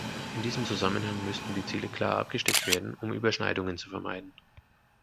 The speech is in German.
In diesem Zusammenhang müssten die Ziele klar abgesteckt werden, um Überscheidungen zu vermeiden.